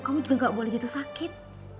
kamu juga gak boleh gitu sakit